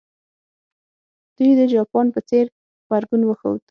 دوی د جاپان په څېر غبرګون وښود.